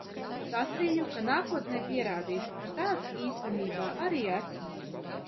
Sacīju, ka nākotnē pierādīšu, ka tāds īstenībā arī esmu.